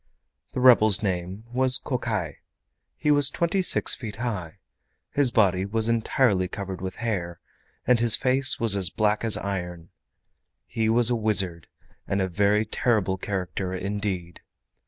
The rebel's name was Kokai. He was twenty six feet high. His body was entirely covered with hair, and his face was as black as iron. He was a wizard and a very terrible character indeed.